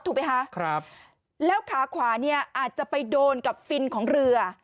ถูกไหมคะครับแล้วขาขวาเนี่ยอาจจะไปโดนกับฟินของเรือ